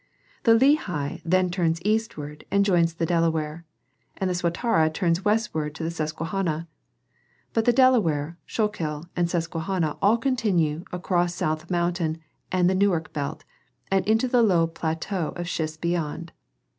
. The Lehigh then turns east ward and joins the Delaware, and the Swatara turns westward to the Susquehanna ; but the Delaware, Schuylkill and Susquehanna all continue across South Mountain and the Newark belt, and into the low plateau of schists beyond.